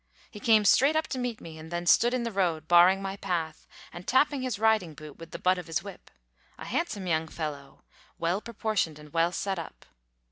He came straight up to meet me, and then stood in the road, barring my path, and tapping his riding boot with the butt of his whip a handsome young fellow, well proportioned and well set up.